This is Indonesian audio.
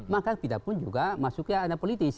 maka kita pun juga masuk ke area politis